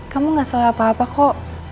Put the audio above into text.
kamu gak salah apa apa kok